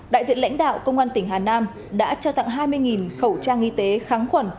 đại diện lãnh đạo công an tỉnh hà nam đã trao tặng hai mươi khẩu trang y tế kháng khuẩn